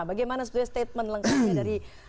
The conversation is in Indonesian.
bagaimana sebenarnya statement lengkapnya dari